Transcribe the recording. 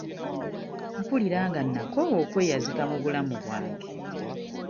Mpulira nga nnakoowa okweyazika mu bulamu bwange.